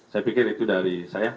saya pikir itu dari saya